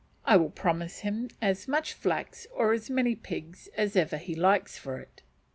I will promise him as much flax or as many pigs as ever he likes for it.